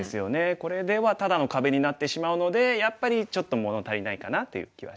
これではただの壁になってしまうのでやっぱりちょっと物足りないかなという気はしますね。